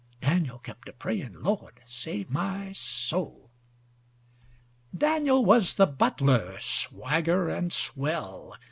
Daniel kept a praying:—"Lord save my soul."Daniel was the butler, swagger and swell.